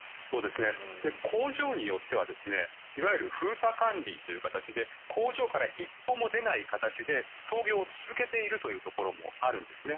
工場によってはいわゆる封鎖管理という形で工場から一歩も出ない形で操業を続けているところもあるんです。